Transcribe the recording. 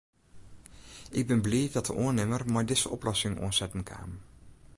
Ik bin bliid dat de oannimmer mei dizze oplossing oansetten kaam.